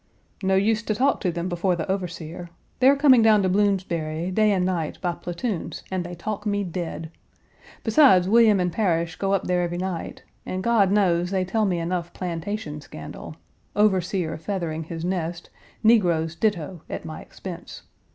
"No use to talk to them before the overseer. They are coming down to Bloomsbury, day and night, by platoons and they talk me dead. Besides, William and Parish go up there every night, and God knows they tell me enough plantation scandal overseer feathering his nest; negroes ditto at my expense.